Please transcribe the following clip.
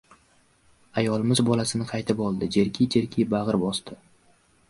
Ayolimiz bolasini qaytib oldi. Jerkiy- jerkiy bag‘ir bosdi.